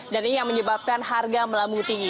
dan ini yang menyebabkan harga melambung tinggi